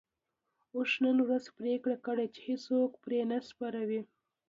اوښ نن ورځ پرېکړه کړې چې هيڅوک پرې نه سپروي.